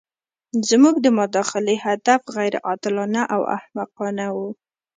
زموږ د مداخلې هدف غیر عادلانه او احمقانه وو.